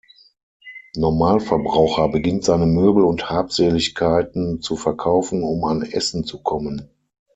Normalverbraucher beginnt seine Möbel und Habseligkeiten zu verkaufen, um an Essen zu kommen.